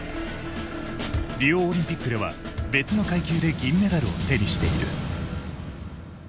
リオオリンピックでは別の階級で銀メダルを手にしている。